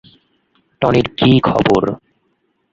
টনির কি খবর?